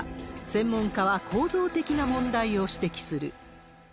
専門家は構造的な問題を指摘する。